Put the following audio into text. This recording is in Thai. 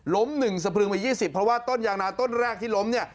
ล้มหนึ่งสะพึงมายี่สิบเพราะว่าต้นยางนาต้นแรกที่ล้มเนี่ย